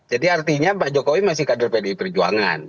jadi artinya pak jokowi masih kader pdi perjuangan